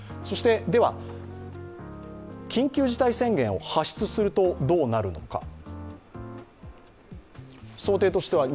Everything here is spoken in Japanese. では、緊急事態宣言を発出するとどうなるのか。